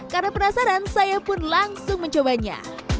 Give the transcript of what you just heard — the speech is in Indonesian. karena penasaran saya pun langsung mencobanya